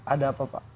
ada apa pak